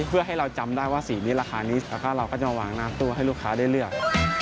เพื่อให้เราจำได้ว่าสีนี้ราคานี้แล้วก็เราก็จะมาวางหน้าตู้ให้ลูกค้าได้เลือก